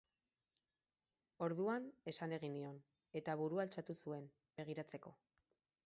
Orduan, esan egin nion, eta burua altxatu zuen, begiratzeko.